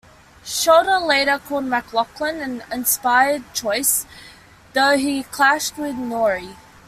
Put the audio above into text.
Sholder later called MacLachlan "an inspired choice", though he clashed with Nouri.